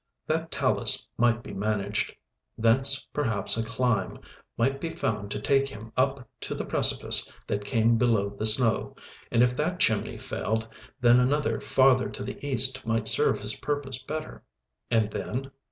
That talus might be managed. Thence perhaps a climb might be found to take him up to the precipice that came below the snow; and if that chimney failed, then another farther to the east might serve his purpose better. And then?